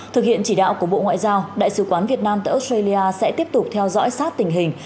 thực hiện chỉ đạo của bộ ngoại giao đại sứ quán việt nam tại australia sẽ tiếp tục theo dõi sát tình hình